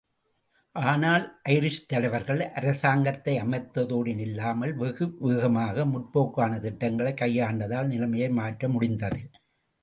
ஆனால் ஐரிஷ் தலைவர்கள் அரசாங்கத்தை அமைத்ததோடு நில்லாமல், வெகு வேகமாக முற்போக்கான திட்டங்களைக் கையாண்டதால் நிலைமையை மாற்றமுடிந்தது.